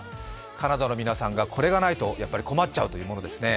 カナダの皆さんがこれがないと困っちゃうというものですね。